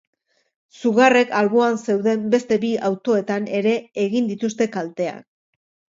Sugarrek alboan zeuden beste bi autoetan ere egin dituzte kalteak.